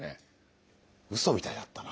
うそみたいだったな。